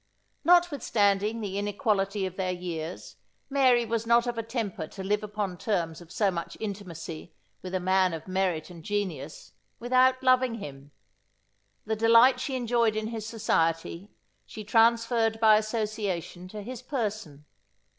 Notwithstanding the inequality of their years, Mary was not of a temper to live upon terms of so much intimacy with a man of merit and genius, without loving him. The delight she enjoyed in his society, she transferred by association to his person.